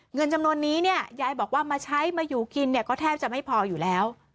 เงินจำนวนนี้เนี่ยยายบอกว่ามาใช้มาอยู่กินเนี่ยก็แทบจะไม่พออยู่แล้ว